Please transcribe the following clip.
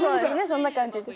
そんな感じです。